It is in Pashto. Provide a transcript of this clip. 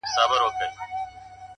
• لس کلونه, سل کلونه, ډېر عمرونه,